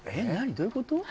どういうこと？